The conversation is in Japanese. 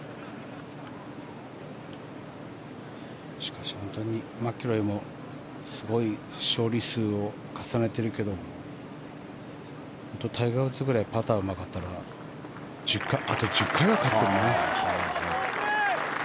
しかし、本当にマキロイもすごい勝利数を重ねているけれど本当にタイガー・ウッズぐらいパターがうまかったらあと１０回は勝ってるね。